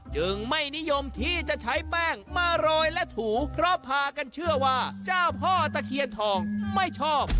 จึงไม่นิยมที่จะใช้แป้งมาโรยและถูเพราะพากันเชื่อว่าเจ้าพ่อตะเคียนทองไม่ชอบ